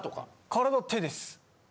体手です。